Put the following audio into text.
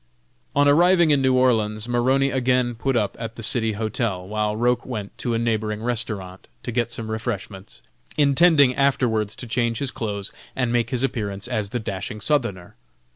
On arriving in New Orleans, Maroney again put up at the City Hotel, while Roch went to a neighboring restaurant, to get some refreshments, intending afterwards to change his clothes, and make his appearance as the dashing Southerner.